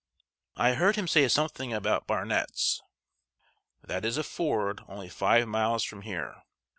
"I heard him say something about Barnet's." "That is a ford only five miles from here.